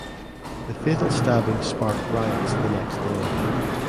The fatal stabbing sparked riots the next day.